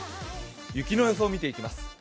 雪の予想を見ていきます。